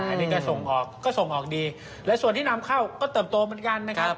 อันนี้ก็ส่งออกก็ส่งออกดีและส่วนที่นำเข้าก็เติบโตเหมือนกันนะครับ